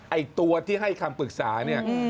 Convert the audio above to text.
ไอ้ตัวที่ให้คำปรึกษาเนี่ย